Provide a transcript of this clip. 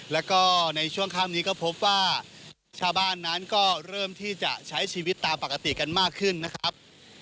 แล้วก็ในช่วงข้ามนี้ก็พบว่าชาวบ้านนั้นก็เริ่มที่จะใช้ชีวิตตามปกติกันมากขึ้นนะครับ